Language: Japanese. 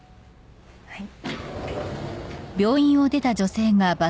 はい。